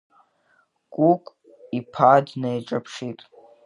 Кәыкә иԥа днеиҿаԥшит.